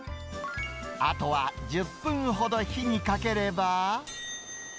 あとは１０分ほど火にかければ。